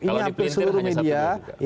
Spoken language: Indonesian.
ini hampir seluruh media